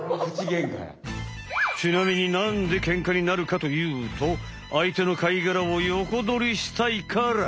ちなみになんでケンカになるかというとあいての貝がらをヨコドリしたいから。